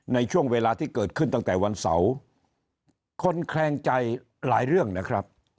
ในช่วงเวลาที่เกิดขึ้นตั้งแต่วันเสาร์คนแคลงใจหลายเรื่องนะครับ